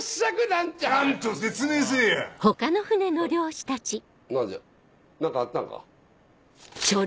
何じゃ何かあったんか。